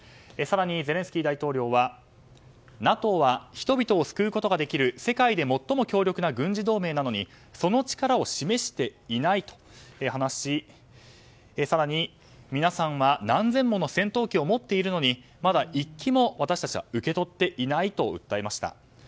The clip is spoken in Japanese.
更にゼレンスキー大統領はＮＡＴＯは人々を救うことができる世界で最も強力な軍事同盟なのにその力を示していないと話し更に、皆さんは何千もの戦闘機を持っているのにまだ１機も私たちは受け取っていないと訴えました。